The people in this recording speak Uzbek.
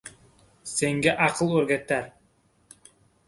Senga aql o'rgatar.